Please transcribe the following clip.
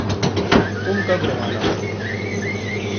تم کب روانہ ہوگے؟